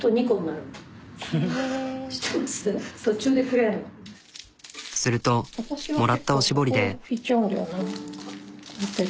するともらったおしぼりで。